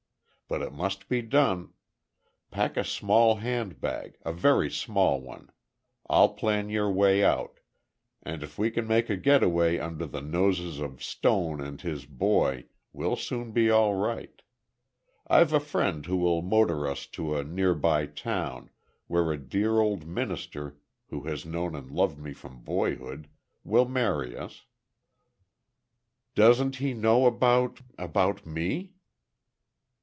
But it must be done. Pack a small handbag—a very small one. I'll plan our way out—and if we can make a getaway under the noses of Stone and his boy, we'll soon be all right. I've a friend who will motor us to a nearby town, where a dear old minister, who has known and loved me from boyhood, will marry us." "Doesn't he know about—about me?"